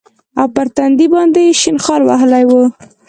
او پر تندي باندې يې شين خال وهلى و.